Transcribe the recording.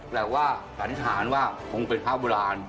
แต่ว่าสันนิษฐานว่าคงเป็นพระโบราณ